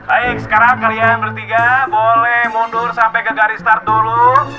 baik sekarang kalian bertiga boleh mundur sampai ke garis start dulu